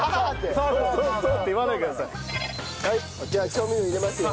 はいじゃあ調味料入れますよ。